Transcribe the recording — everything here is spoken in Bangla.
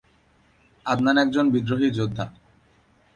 আদনান একজন বিদ্রোহী যোদ্ধা।